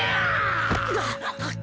あっ！